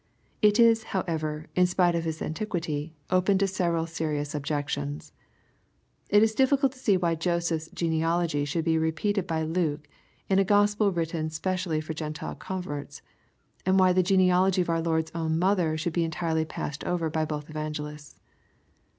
It is, however, in spite of its antiquity, open to several serious objections. It is difficult to see why Joseph's genealogy should be repeated by Luke, in a Gospel written specially for Gkntile converts, and why the genealogy of our Lord's own mother should be entirely passed over by both evangelists.